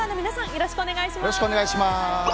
よろしくお願いします。